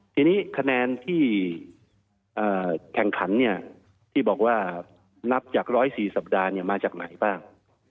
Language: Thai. ทีนี้คะแนนที่แข่งขันที่บอกว่านับจาก๑๐๔สัปดาห์มาจากไหนบ้าง